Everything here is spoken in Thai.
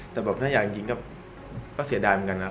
แต่แบบถ้าอยากยิงก็เสียดายเหมือนกันนะ